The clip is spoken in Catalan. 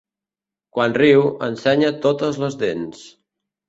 Quan riu, ensenya totes les dents.